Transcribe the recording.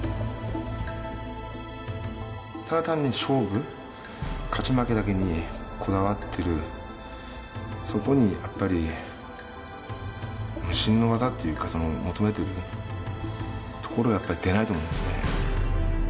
ただ単に勝負勝ち負けだけにこだわってるそこにやっぱり無心の技というか求めてるところは出ないと思うんですよね。